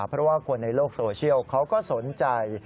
เพราะว่าคนในโลกโซเชียลเขาก็สนใจ